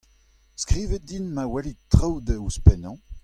Skrivit din ma welit traoù da ouzhpennañ.